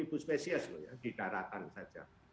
itu spesies loh ya di daratan saja